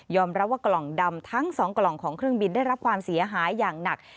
รับว่ากล่องดำทั้ง๒กล่องของเครื่องบินได้รับความเสียหายอย่างหนัก